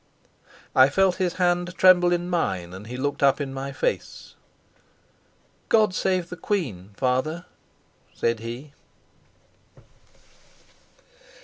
I felt his hand tremble in mine, and he looked up in my face. "God save the Queen, father," said he.